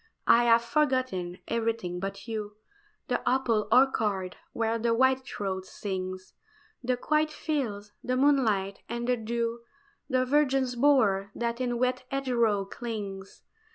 I have forgotten everything but you The apple orchard where the whitethroat sings, The quiet fields, the moonlight, and the dew, The virgin's bower that in wet hedgerow clings.